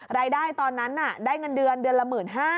รายได้ตอนนั้นได้เงินเดือนเดือนละ๑๕๐๐